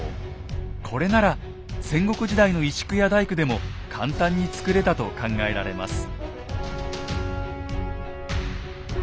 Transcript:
これなら戦国時代の石工や大工でも簡単に作れたと考えられます。